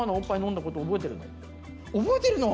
覚えてるの？